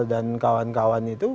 dan kawan kawan itu